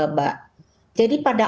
mbak jadi pada